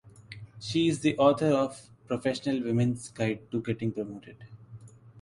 She is the author of "Professional Women’s guide to getting promoted".